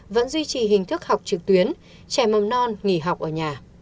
vẫn duy trì hình thức học trực tuyến trẻ mầm non nghỉ học ở nhà